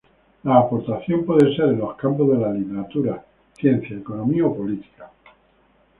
La aportación puede ser en los campos de la literatura, ciencias, economía o política.